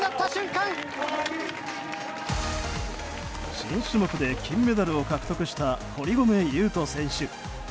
新種目で金メダルを獲得した堀米雄斗選手。